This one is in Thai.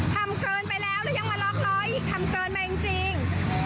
ทำเกินไปแล้วแล้วยังมาล็อกล้ออีกทำเกินมาจริง